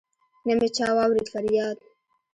نه مي چا واوريد فرياد